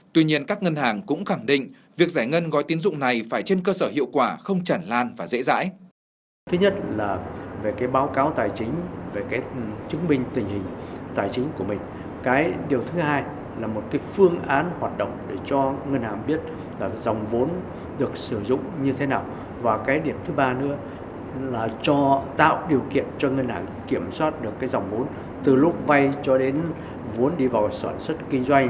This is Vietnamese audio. tuy nhiên các ngân hàng cũng khẳng định việc giải ngân gói tín dụng này phải trên cơ sở hiệu quả không chẳng lan và dễ dãi